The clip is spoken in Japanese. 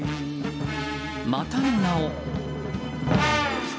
またの名を。